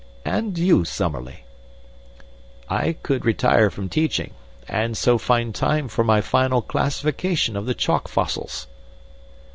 "And you, Summerlee?" "I would retire from teaching, and so find time for my final classification of the chalk fossils."